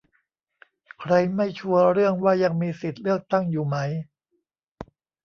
ใครไม่ชัวร์เรื่องว่ายังมีสิทธิ์เลือกตั้งอยู่ไหม